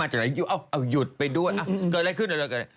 หยุดไปด้วยเดินแล้วขึ้นหยุดแล้ว